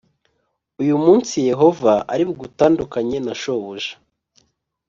uyu munsi Yehova ari bugutandukanye na shobuja